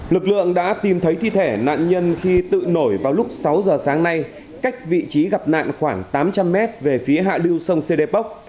lực lượng đã tìm thấy thi thể nạn nhân khi tự nổi vào lúc sáu giờ sáng nay cách vị trí gặp nạn khoảng tám trăm linh mét về phía hạ lưu sông sê đê pốc